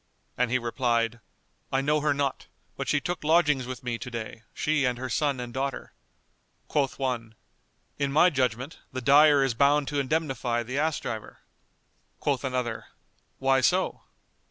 And he replied, "I know her not; but she took lodgings with me to day, she and her son and daughter." Quoth one, "In my judgment, the dyer is bound to indemnify the ass driver." Quoth another, "Why so?"